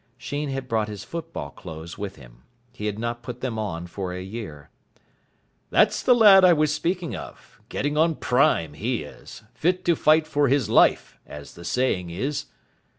Sheen had brought his football clothes with him. He had not put them on for a year. "That's the lad I was speaking of. Getting on prime, he is. Fit to fight for his life, as the saying is."